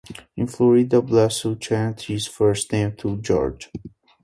In Florida, Biassou changed his first name to Jorge.